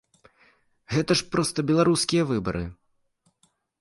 Гэта ж проста беларускія выбары!